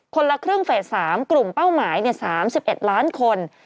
คนละครึ่งเฟส๓กลุ่มเป้าหมาย๓๑ล้านคน